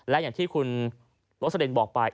และอย่างที่คุณโรสลินบอกไป